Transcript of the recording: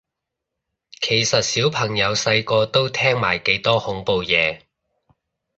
其實小朋友細個都聽埋幾多恐怖嘢